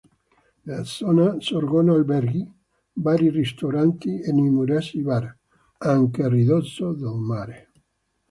Nella zona sorgono alberghi, vari ristoranti e numerosi bar, anche a ridosso del mare.